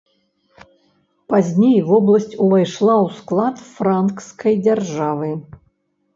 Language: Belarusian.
Пазней вобласць увайшла ў склад франкскай дзяржавы.